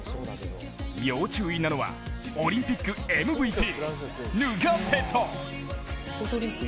要注意なのはオリンピックＭＶＰ・ヌガペト。